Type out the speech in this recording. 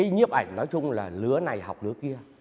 nhiếp ảnh nói chung là lứa này học lứa kia